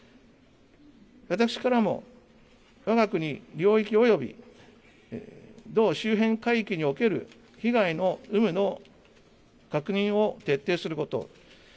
私からもわが国領域および同周辺海域における被害の有無の確認を徹底すること。